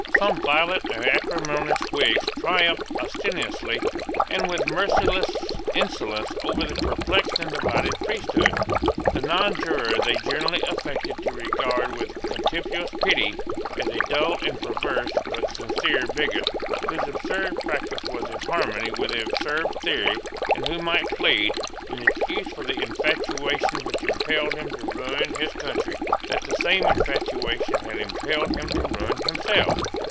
Some violent and acrimonious Whigs triumphed ostentatiously and with merciless insolence over the perplexed and divided priesthood. The nonjuror they generally affected to regard with contemptuous pity as a dull and perverse, but sincere, bigot, whose absurd practice was in harmony with his absurd theory, and who might plead, in excuse for the infatuation which impelled him to ruin his country, that the same infatuation had impelled him to ruin himself.